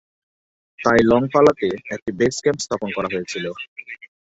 তাই লং পালাতে একটি বেস ক্যাম্প স্থাপন করা হয়েছিল।